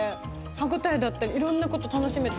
歯ごたえだったりいろんなこと楽しめて。